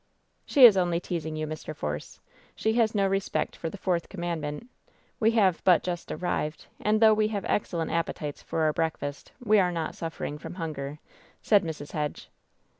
"She is only teasing you, Mr. Force. She has no respect for the fourth commandment. We have but just arrived, and though we have excellent appetites for our breakfast, we are not suffering from hunger," said Mrs, Hedge.